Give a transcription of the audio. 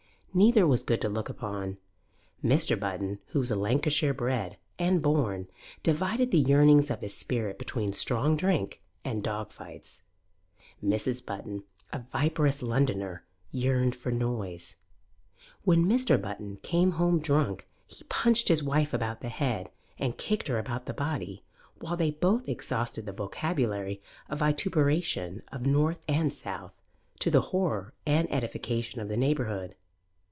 Neither was good to look upon. Mr. Button, who was Lancashire bred and born, divided the yearnings of his spirit between strong drink and dog fights. Mrs. Button, a viperous Londoner, yearned for noise. When Mr. Button came home drunk he punched his wife about the head and kicked her about the body, while they both exhausted the vocabulary of vituperation of North and South, to the horror and edification of the neighbourhood.